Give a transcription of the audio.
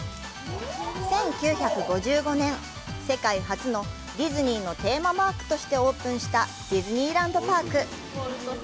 １９５５年、世界初のディズニーのテーマパークとしてオープンしたディズニーランド・パーク。